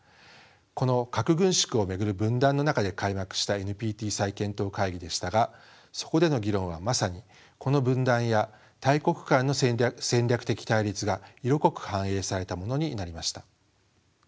この核軍縮を巡る分断の中で開幕したＮＰＴ再検討会議でしたがそこでの議論はまさにこの分断や大国間の戦略的対立が色濃く反映されたものになりました。